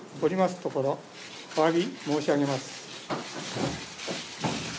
ところおわび申し上げます。